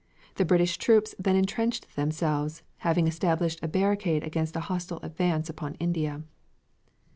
The British troops then intrenched themselves, having established a barricade against a hostile advance upon India.